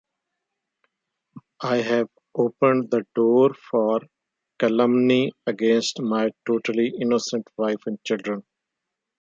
I have opened the door for calumny against my totally innocent wife and children.